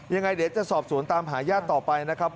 อย่างไรเดี๋ยวจะสอบศูนย์ตามหายาดต่อไปนะครับ